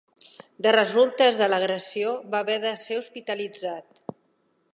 De resultes de l’agressió va haver de ser hospitalitzat.